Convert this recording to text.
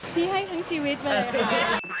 ที่ให้ทั้งชีวิตเลยค่ะ